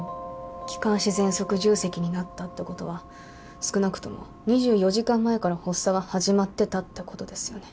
気管支ぜんそく重積になったってことは少なくとも２４時間前から発作が始まってたってことですよね？